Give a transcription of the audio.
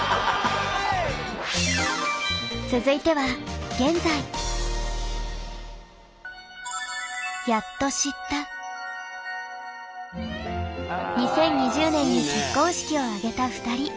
続いては２０２０年に結婚式を挙げた２人。